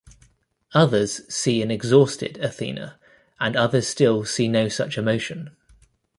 Others see an 'exhausted Athena', and others still see no such emotion.